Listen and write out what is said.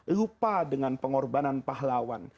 lupa dengan pengorbanan pahlawan